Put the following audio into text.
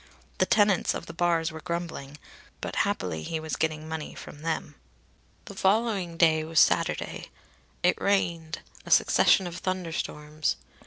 The tenants of the bars were grumbling, but happily he was getting money from them. The following day was Saturday. It rained a succession of thunderstorms.